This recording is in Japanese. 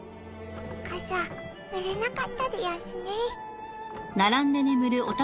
かさ売れなかったでやんすね